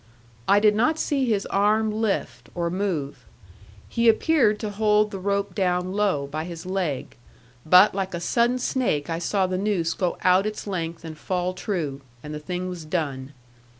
I did not see his arm lift or move. He appeared to hold the rope down low, by his leg. But like a sudden snake I saw the noose go out its length and fall true; and the thing was done.